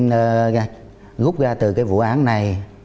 ngút ra từ cái vụ án này